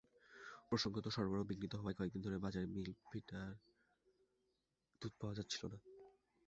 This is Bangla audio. প্রসঙ্গত, সরবরাহ বিঘ্নিত হওয়ায় কয়েকদিন ধরে বাজারে মিল্প ভিটার দুধ পাওয়া যাচ্ছিল না।